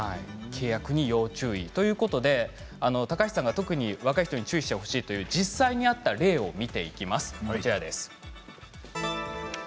契約に要注意ということで高橋さんが特に若い人に注意してほしいという実際にあった例を見ていきます。